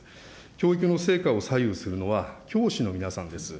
教育の成果を左右するのは教師の皆さんです。